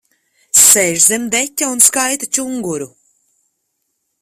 Sēž zem deķa un skaita čunguru.